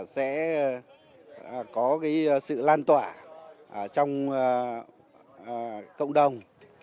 sẽ có sự lan tỏa trong cộng đồng